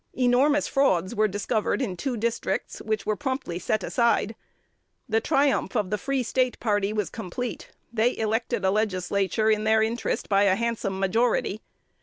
Enormous frauds were discovered in two districts, which were promptly set aside. The triumph of the Free State party was complete: they elected a legislature in their interest by a handsome majority.